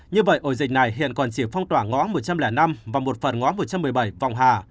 như vậy ổ dịch này hiện còn chỉ phong tỏa ngõ một trăm linh năm và một phần ngõ một trăm một mươi bảy vòng hà